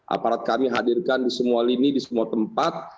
aparat kami hadirkan di semua lini di semua tempat